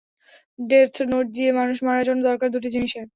Death note দিয়ে মানুষ মারার জন্য দরকার দুটি জিনিসের।